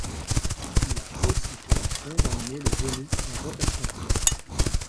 Il a aussi pour action d'emmener le genou en rotation externe.